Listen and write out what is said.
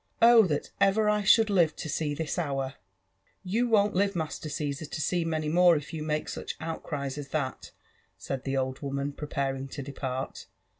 ''Oh! that ever I should live to see this hour I" "You won't live, Master Caesar, to see many more if you make iuch outcries as that," said the old woman, preparing to depart.